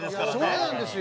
そうなんですよ。